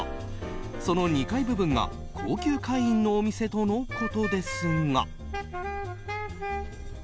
その２階部分が高級会員のお店とのことですが。